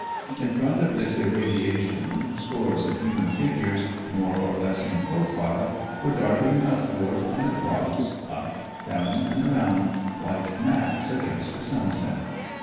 In front of this irradiation scores of human figures, more or less in profile, were darting athwart and across, up, down, and around, like gnats against a sunset.